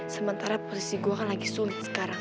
sementara perisi gue kan lagi sulit sekarang